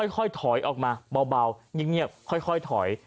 ค่อยถอยออกมาเบาเงียบค่อยถอย